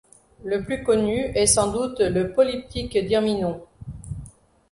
Le plus connu est sans doute le polyptyque d'Irminon.